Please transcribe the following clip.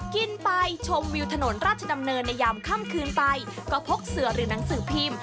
กินไปชมวิวถนนราชดำเนินในยามค่ำคืนไปก็พกเสือหรือหนังสือพิมพ์